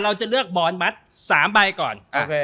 เราจะเลือกบอนมัด๓ใบก่อน